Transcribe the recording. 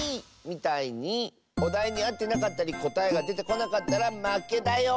みたいにおだいにあってなかったりこたえがでてこなかったらまけだよ。